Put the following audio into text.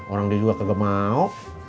orang dia juga kagak mau